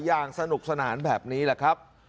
อย่างสนุกสนานแบบนี้แหละครับ